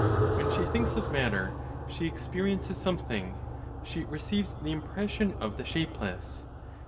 When she thinks of matter, she experiences something, she receives the impression of the shapeless.